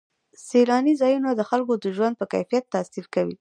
سیلاني ځایونه د خلکو د ژوند په کیفیت تاثیر کوي.